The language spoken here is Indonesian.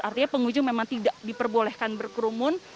artinya pengunjung memang tidak diperbolehkan berkerumun